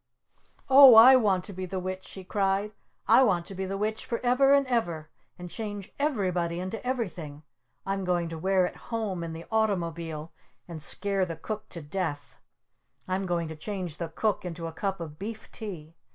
"Oh, I want to be the Witch!" she cried. "I want to be the Witch for ever and ever! And change everybody into everything! I'm going to wear it home in the automobile! And scare the Cook to Death! I'm going to change the Cook into a cup of Beef Tea!